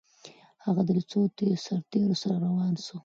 هغه له څو سرتیرو سره روان سو؟